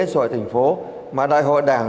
sội thành phố mà đại hội đảng